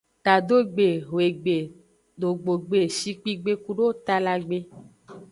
Tadogbe, hwegbe, dogbogbe, shikpigbe kudo talagbe.